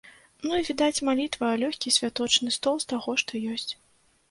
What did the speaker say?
Ну і, відаць, малітва, лёгкі святочны стол з таго, што ёсць.